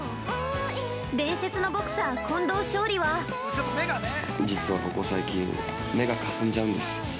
◆伝説のボクサー、近藤頌利は◆実は、ここ最近目がかすんじゃうんです。